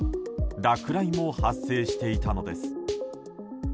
落雷も発生していたのです。